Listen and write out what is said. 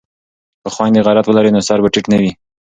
که خویندې غیرت ولري نو سر به ټیټ نه وي.